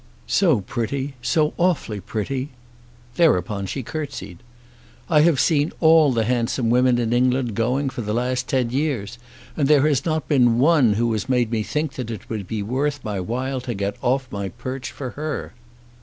"So pretty! So awfully pretty!" Thereupon she curtsied. "I have seen all the handsome women in England going for the last ten years, and there has not been one who has made me think that it would be worth my while to get off my perch for her."